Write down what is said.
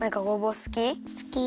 すき。